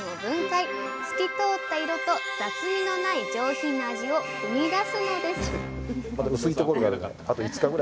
透き通った色と雑味のない上品な味を生み出すのです！